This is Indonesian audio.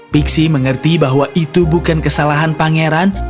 pixie mengerti bahwa itu bukan kesalahan pangeran